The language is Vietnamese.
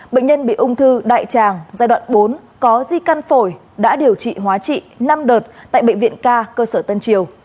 bệnh nhân bị ung thư đại tràng giai đoạn bốn có di căn phổi đã điều trị hóa trị năm đợt tại bệnh viện ca cơ sở tân triều